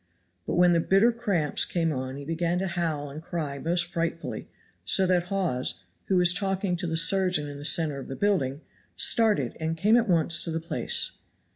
But when the bitter cramps came on he began to howl and cry most frightfully; so that Hawes, who was talking to the surgeon in the center of the building, started and came at once to the place.